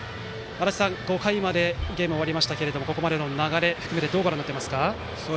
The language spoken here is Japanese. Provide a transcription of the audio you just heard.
５回までゲームが終わりましたがここまでの流れを含めてどうご覧になっていますか？